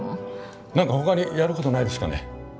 何か他にやることないですかね？